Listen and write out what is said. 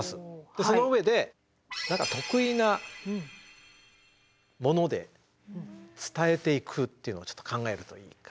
その上で何か得意なもので伝えていくっていうのをちょっと考えるといいかな。